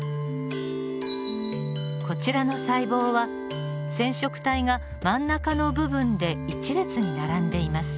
こちらの細胞は染色体が真ん中の部分で１列に並んでいます。